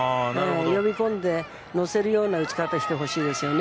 呼び込んで、乗せるような打ち方をしてほしいですね。